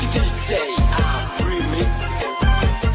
ดีแล้วอ่ะ